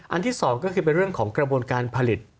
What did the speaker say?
ที่๒ก็คือเป็นเรื่องของกระบวนการผลิต